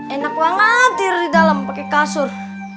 enak banget tidur di dalam pakai kasur